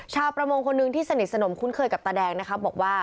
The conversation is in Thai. ชาวประมงคนหนึ่งที่สนิทสนมคุ้นเคยกับตาแดงนะครับบอกว่า